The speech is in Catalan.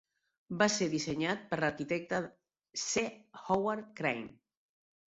Va ser dissenyat per l'arquitecte C. Howard Crane.